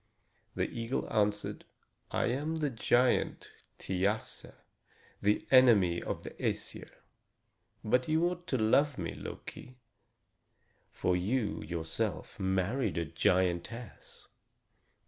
The eagle answered: "I am the giant Thiasse, the enemy of the Æsir. But you ought to love me, Loki, for you yourself married a giantess."